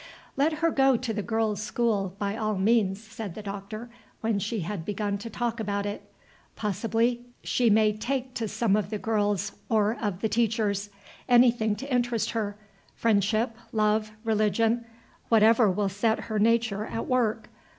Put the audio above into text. "Let her go to the girls' school, by all means," said the Doctor, when she had begun to talk about it. "Possibly she may take to some of the girls or of the teachers. Anything to interest her. Friendship, love, religion, whatever will set her nature at work.